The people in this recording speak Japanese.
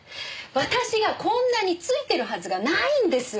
私がこんなにツイてるはずがないんです！